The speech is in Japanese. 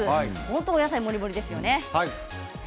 お野菜もりもりですね。